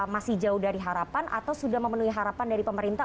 masih jauh dari harapan atau sudah memenuhi harapan dari pemerintah